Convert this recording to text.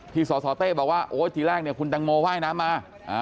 ที่สตเต้บอกว่าทีแรกคุณตังโมไหว้น้ำมา